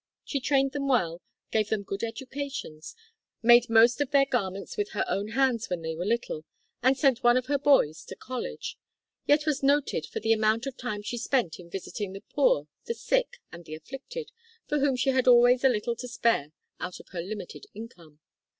She trained them well, gave them good educations, made most of their garments with her own hands when they were little, and sent one of her boys to college, yet was noted for the amount of time she spent in visiting the poor, the sick, and the afflicted, for whom she had always a little to spare out of her limited income.